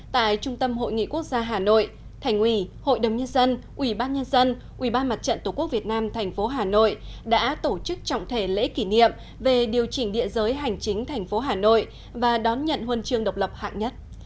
tại trung tâm hội nghị quốc gia hà nội thành ủy hội đồng nhân dân ubnd tp hà nội đã tổ chức trọng thể lễ kỷ niệm về điều chỉnh địa giới hành chính tp hà nội và đón nhận huân chương độc lập hạng nhất